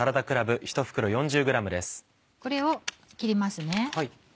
これを切ります。